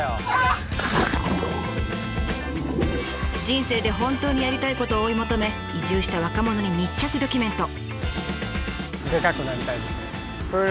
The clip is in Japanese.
人生で本当にやりたいことを追い求め移住した若者に密着ドキュメント。